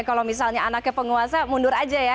kalau misalnya anaknya penguasa mundur aja ya